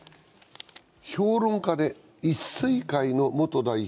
評論家で一水会の元代表